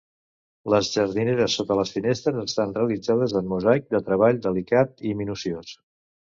Les jardineres sota les finestres estan realitzades en mosaic de treball delicat i minuciós.